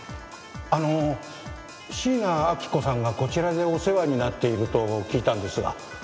あの椎名亜希子さんがこちらでお世話になっていると聞いたんですが。